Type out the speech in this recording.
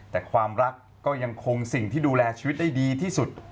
แต่ความรักก็ยังคงสิ่งที่ดูแลชีวิตได้ดีที่สุด